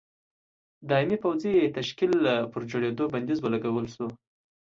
دایمي پوځي تشکیل پر جوړېدو بندیز ولګول شو.